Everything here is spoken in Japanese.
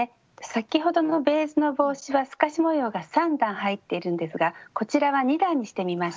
先ほどのベージュの帽子は透かし模様が３段入っているんですがこちらは２段にしてみました。